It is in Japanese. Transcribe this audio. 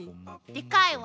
でかいわ。